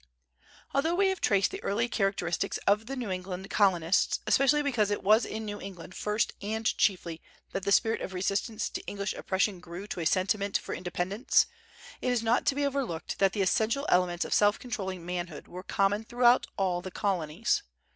Although we have traced the early characteristics of the New England Colonists, especially because it was in New England first and chiefly that the spirit of resistance to English oppression grew to a sentiment for independence, it is not to be overlooked that the essential elements of self controlling manhood were common throughout all the Colonies.